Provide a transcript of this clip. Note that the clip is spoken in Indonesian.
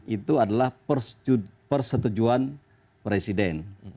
itu adalah persetujuan presiden